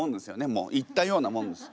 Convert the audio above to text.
もう行ったようなもんです。